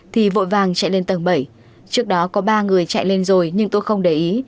thì vội vàng chạy lên tầng bảy trước đó có ba người chạy lên rồi nhưng tôi không để ý